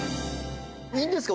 「いいんですか？